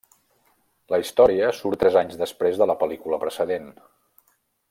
La història surt tres anys després de la pel·lícula precedent.